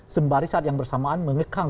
sembari saat yang bersamaan mengekang